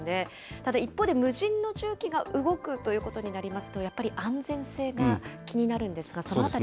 ただ、一方で無人の重機が動くということになりますと、やっぱり安全性が気になるんですが、そのあたり、